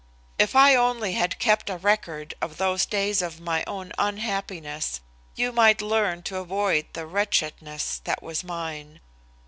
If I only had kept a record of those days of my own unhappiness, you might learn to avoid the wretchedness that was mine.